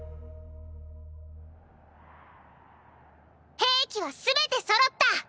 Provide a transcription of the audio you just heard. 兵器は全て揃った！